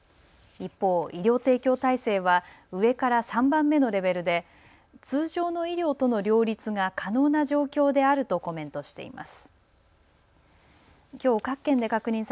一方、医療提供体制は上から３番目のレベルで通常の医療との両立が可能な状況であるとコメントしています。